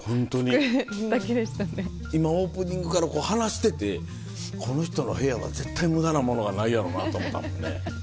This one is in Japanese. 今オープニングから話しててこの人の部屋は絶対無駄なものがないやろなと思ったもんね。